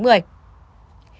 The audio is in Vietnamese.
trẻ đất liền